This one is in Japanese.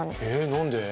何で？